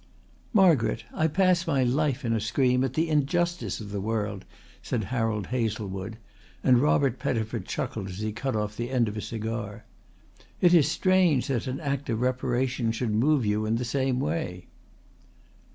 "Margaret, I pass my life in a scream at the injustice of the world," said Harold Hazlewood, and Robert Pettifer chuckled as he cut off the end of a cigar. "It is strange that an act of reparation should move you in the same way."